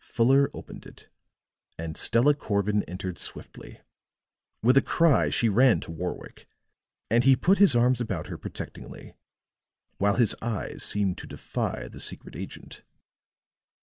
Fuller opened it, and Stella Corbin entered swiftly; with a cry she ran to Warwick, and he put his arms about her protectingly, while his eyes seemed to defy the secret agent.